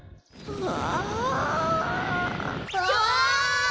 うわ！